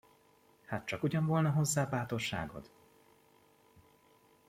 Hát csakugyan volna hozzá bátorságod?